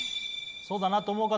そうだなって思う方